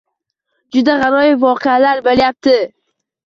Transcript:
Juda g`aroyib voqealar bo`lyapti